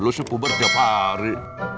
lu sih puber tiap hari